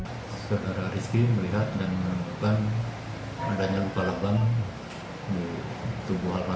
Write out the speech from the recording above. laporan tersebut dilaporkan oleh taman taman